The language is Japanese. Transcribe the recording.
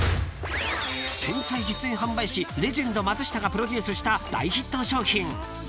［天才実演販売士レジェンド松下がプロデュースした大ヒット商品］